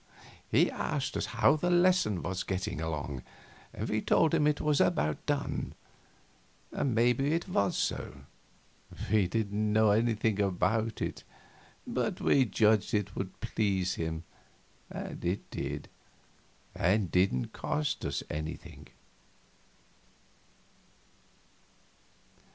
He asked us how the lesson was getting along, and we told him it was about done. And maybe it was so; we didn't know anything about it, but we judged it would please him, and it did, and didn't cost us anything.